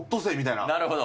なるほど。